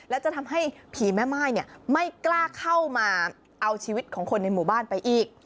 และจะทำให้ผีแม่ม่ายไม่กล้าเข้ามาเอาชีวิตของคนในหมู่บ้านไปอีก